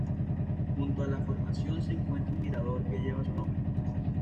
Junto a la formación se encuentra un mirador que lleva su nombre.